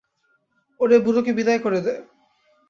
ওরে, বুড়োকে বিদায় করে দে।